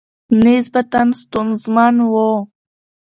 نسبتاً ستونزمن ؤ